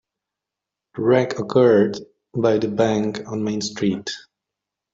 The wreck occurred by the bank on Main Street.